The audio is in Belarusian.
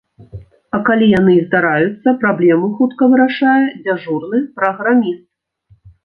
А калі яны і здараюцца, праблему хутка вырашае дзяжурны праграміст.